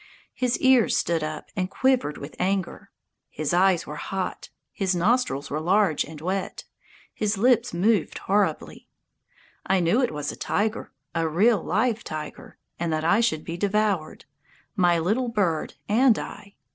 His ears stood up and quivered with anger. His eyes were hot. His nostrils were large and wet. His lips moved horribly. I knew it was a tiger, a real live tiger, and that I should be devoured my little bird and I.